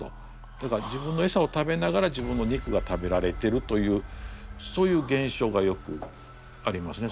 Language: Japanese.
だから自分のエサを食べながら自分の肉が食べられてるというそういう現象がよくありますね。